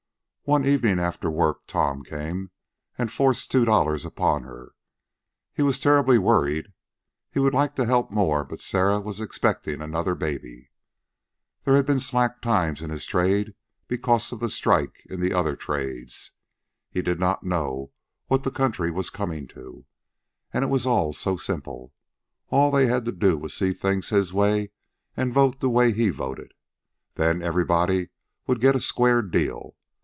One evening after work, Tom came, and forced two dollars upon her. He was terribly worried. He would like to help more, but Sarah was expecting another baby. There had been slack times in his trade because of the strikes in the other trades. He did not know what the country was coming to. And it was all so simple. All they had to do was see things in his way and vote the way he voted. Then everybody would get a square deal.